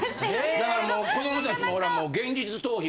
だからもう子どもたちもほら。